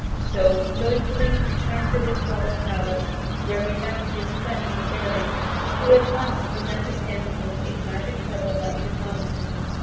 So he joyfully returned to his father's palace, where he found his friend the Fairy, who at once presented him with a magic pebble like his own.